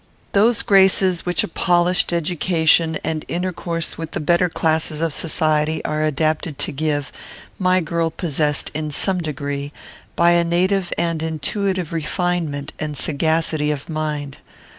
Those graces which a polished education, and intercourse with the better classes of society, are adapted to give, my girl possessed, in some degree, by a native and intuitive refinement and sagacity of mind.